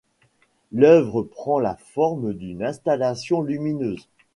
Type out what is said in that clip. L'œuvre prend la forme d'une installation lumineuse.